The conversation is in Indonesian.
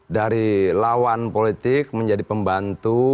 dari lawan politik menjadi pembantu